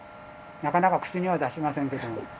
なかなか口には出しませんけども。